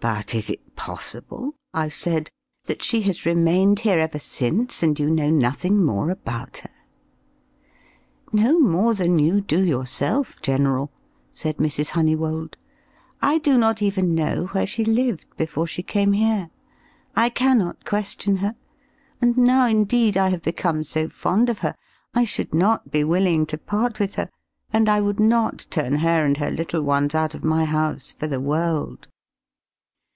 "But is it possible," I said, "that she has remained here ever since, and you know nothing more about her?" "No more than you do yourself, general," said Mrs. Honeywold. "I do not even know where she lived before she came here. I cannot question her, and now, indeed, I have become so fond of her, I should not be willing to part with her; and I would not turn her and her little ones out of my house for the world!"